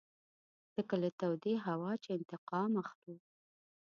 لکه له تودې هوا چې انتقام اخلو.